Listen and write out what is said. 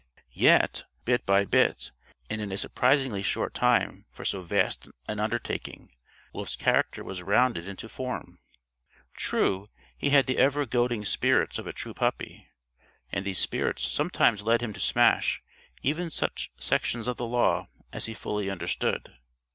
Yet bit by bit and in a surprisingly short time for so vast an undertaking Wolf's character was rounded into form. True, he had the ever goading spirits of a true puppy. And these spirits sometimes led him to smash even such sections of the law as he fully understood.